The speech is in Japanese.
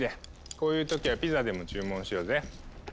こういう時はピザでも注文しようぜ。